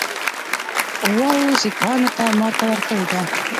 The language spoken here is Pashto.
قواوو سیکهانو ته ماته ورکړې ده.